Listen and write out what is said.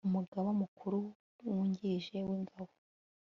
umugaba mukuru wungirije w'ingabo